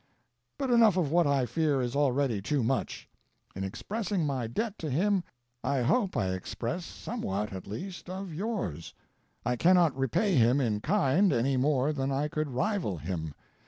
"But enough of what I fear is already too much. In expressing my debt to him I hope I express somewhat at least of yours. I cannot repay him in kind any more than I could rival him.